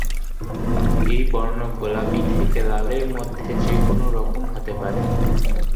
এই বর্ণ গোলাপী থেকে লালের মধ্যে যে কোনও রকম হতে পারে।